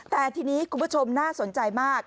แต่ทีนี้คุณผู้ชมน่าสนใจมาก